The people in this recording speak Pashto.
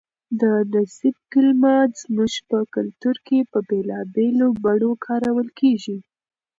د نصیب کلمه زموږ په کلتور کې په بېلابېلو بڼو کارول کېږي.